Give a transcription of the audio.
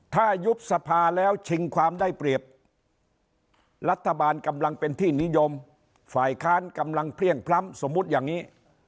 ถ้ายุบสภาแล้วชิงความได้เปรียบรัฐบาลกำลังเป็นที่นิยมฝ่ายค้านกำลังเพลี่ยงพล้ำสมมุติอย่างนี้